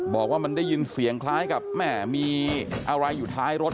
บอกว่ามันได้ยินเสียงคล้ายกับแม่มีอะไรอยู่ท้ายรถ